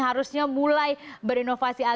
harusnya mulai berinovasi